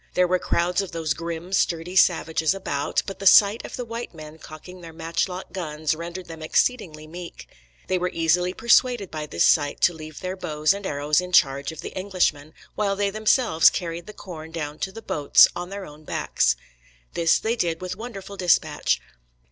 There were crowds of those grim, sturdy savages about; but the sight of the white men cocking their matchlock guns rendered them exceedingly meek. They were easily persuaded by this sight to leave their bows and arrows in charge of the Englishmen, while they themselves carried the corn down to the boats on their own backs. This they did with wonderful dispatch.